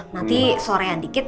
nanti sore yang dikit